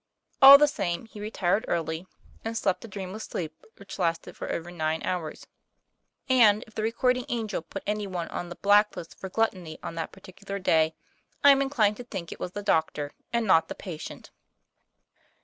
All the same, he retired early and slept a dreamless sleep which lasted for over nine hours. And if the recording angel put any one on the black list for gluttony on that particular day, I am inclined to think it was the doctor, and not the patient.